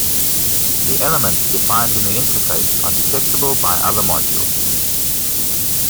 The elements defined in the interface are detectable by other modules.